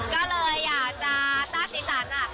ก็เลยอยากจะสตรีสัน